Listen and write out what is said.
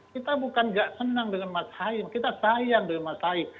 kita bukan gak senang dengan mas saim kita sayang dengan mas saif